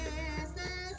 nah ini sudah hilang